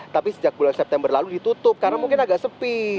tapi sejak bulan september lalu ditutup karena mungkin agak sepi